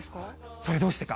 それ、どうしてか。